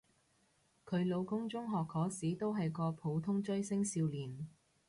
佢老公中學嗰時都係個普通追星少年